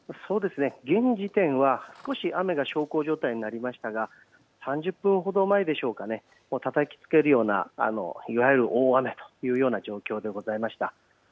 現時点は少し雨が小康状態になりましたが３０分前でしょうか、たたきつけるようないわゆる大雨というような状況でございました。